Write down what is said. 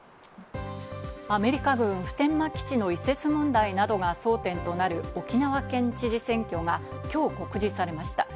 アメリカ軍普天間基地の移設問題などが争点となる沖縄県知事選挙が今日告示されました。